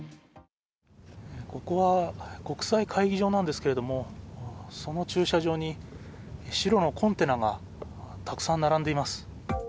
ここは国際会議場なんですけれども、その駐車場に白のコンテナがたくさん並んでいます。